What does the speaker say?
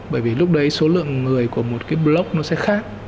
bởi vì lúc đấy số lượng người của một cái block nó sẽ khác